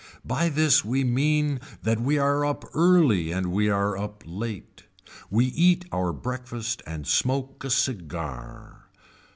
By this we mean that we are up early and we are up late. We eat our breakfast and smoke a cigar.